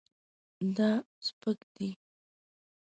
دا سپک دی